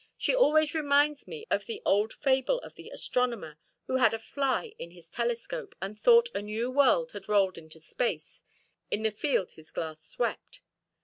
She always reminds me of the old fable of the astronomer who had a fly in his telescope, and thought a new world had rolled into space in the field his glass swept.